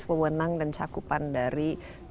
pewenang dan cakupan dari